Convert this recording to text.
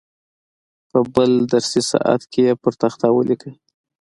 په بل درسي ساعت کې یې پر تخته ولیکئ.